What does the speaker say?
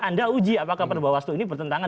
anda uji apakah perbawaslu ini bertentangan